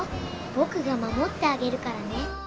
僕が守ってあげるからね。